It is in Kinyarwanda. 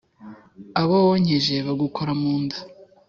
abo wonkeje bagukoramunda